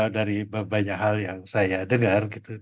dari banyak hal yang saya dengar